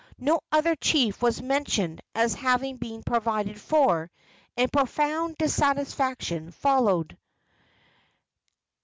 No other chief was mentioned as having been provided for, and profound dissatisfaction followed.